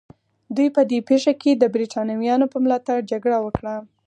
دوی په دې پېښه کې د برېټانویانو په ملاتړ جګړه وکړه.